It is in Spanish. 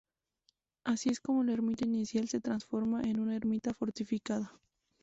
Es así como la ermita inicial se transforma en una ermita fortificada.